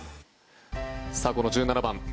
さあ、この１７番。